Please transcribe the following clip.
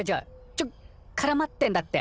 ちょっからまってんだって。